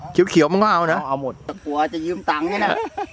เขียวเขียวมันก็เอานะเอาเอาหมดเดี๋ยวกลัวจะยืมตังค์ให้น่ะ